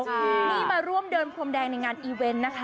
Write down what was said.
นี่มาร่วมเดินพรมแดงในงานอีเวนต์นะคะ